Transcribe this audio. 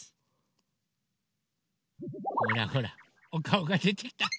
ほらほらおかおがでてきた！